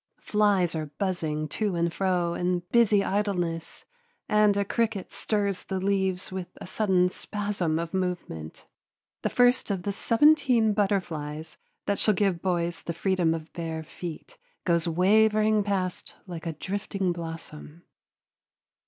Flies are buzzing to and fro in busy idleness, and a cricket stirs the leaves with a sudden spasm of movement. The first of the seventeen butterflies that shall give boys the freedom of bare feet goes wavering past like a drifting blossom.